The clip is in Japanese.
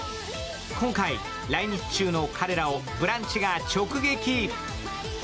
今回、来日中の彼らを「ブランチ」が直撃。